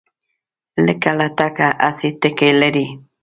لکه لټکه هسې ټګي لري